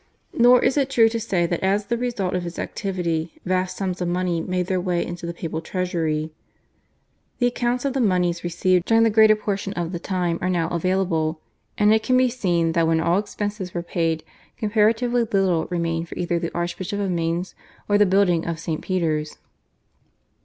Nor is it true to say that as the result of his activity vast sums of money made their way into the papal treasury. The accounts of the monies received during the greater portion of the time are now available, and it can be seen that when all expenses were paid comparatively little remained for either the Archbishop of Mainz or the building fund of St. Peter's.